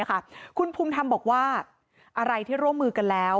คุณภูมิธรรมบอกว่าอะไรที่ร่วมมือกันแล้ว